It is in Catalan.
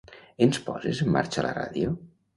Ens poses en marxa la ràdio?